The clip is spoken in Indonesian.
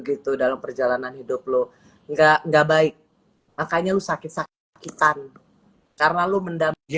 gitu dalam perjalanan hidup lo enggak enggak baik makanya lu sakit sakitan karena lo mendampingi